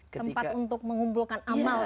tempat untuk mengumpulkan amal ya hilman ya